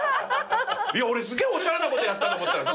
俺すげぇおしゃれなことやったと思ったらさ。